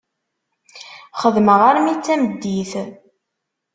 Xedmeγ armi d tameddit.